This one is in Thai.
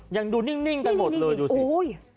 ยังดูนิ่งกันหมดเลยอยู่สิ